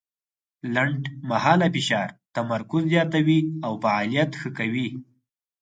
لنډمهاله فشار تمرکز زیاتوي او فعالیت ښه کوي.